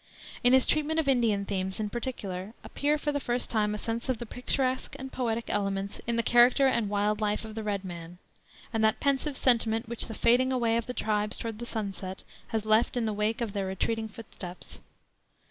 In his treatment of Indian themes, in particular, appear for the first time a sense of the picturesque and poetic elements in the character and wild life of the red man, and that pensive sentiment which the fading away of the tribes toward the sunset has left in the wake of their retreating footsteps.